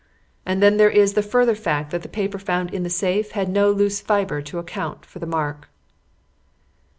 And then there is the further fact that the paper found in the safe had no loose fibre to account for the mark."